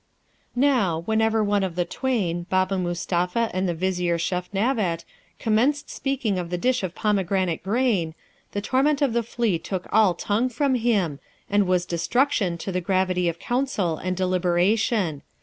Now, whenever one of the twain, Baba Mustapha and the Vizier Feshnavat, commenced speaking of the dish of pomegranate grain, the torment of the flea took all tongue from him, and was destruction to the gravity of council and deliberation.